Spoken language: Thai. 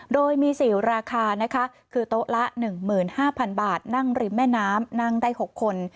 โดยมี๔ราคานะคะคือโต๊ะละ๑๕๐๐๐บาทนั่งริมแม่น้ำนั่งได้๖คน